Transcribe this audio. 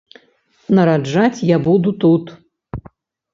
Нараджаць я буду тут.